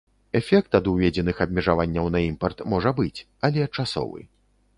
Эфект ад уведзеных абмежаванняў на імпарт можа быць, але часовы.